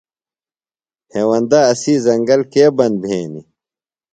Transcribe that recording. ہیوندہ اسی زنگل کے بند بھینیۡ؟